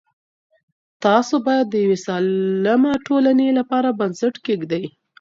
تاسو باید د یوې سالمه ټولنې لپاره بنسټ کېږدئ.